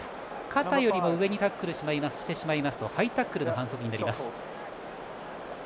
肩より上にタックルしてしまいますとハイタックルの反則になります。